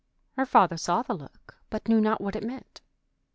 Her father saw the look, but knew not what it meant.